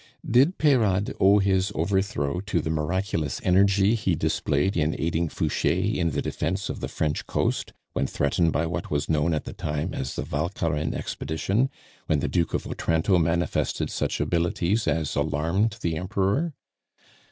Did Peyrade owe his overthrow to the miraculous energy he displayed in aiding Fouche in the defence of the French coast when threatened by what was known at the time as the Walcheren expedition, when the Duke of Otranto manifested such abilities as alarmed the Emperor?